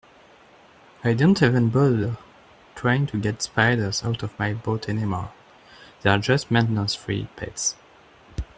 I don't even bother trying to get spiders out of my boat anymore, they're just maintenance-free pets.